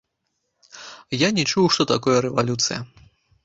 Я не чуў, што такое рэвалюцыя.